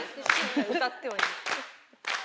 歌ってはいる。